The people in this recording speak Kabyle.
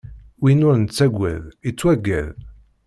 Win ur nettaggad, ittwaggad.